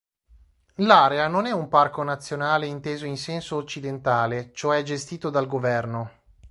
L'area non è un parco nazionale inteso in senso occidentale, cioè gestito dal governo.